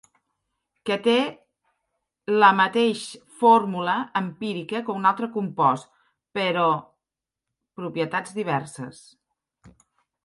Que té la mateix fórmula empírica que un altre compost però propietats diverses.